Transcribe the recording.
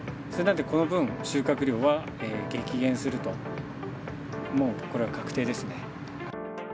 この分、収穫量が激減すると、もうこれは確定ですね。